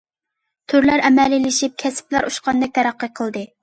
تۈرلەر ئەمەلىيلىشىپ، كەسىپلەر ئۇچقاندەك تەرەققىي قىلدى.